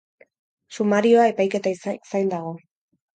Sumarioa epaiketa zain dago.